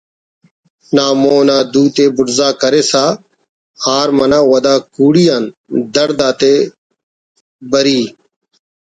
نا مون آ دوتے بڑزا کریسہ ہار منا و دا کوڑی آن دڑد آتا بری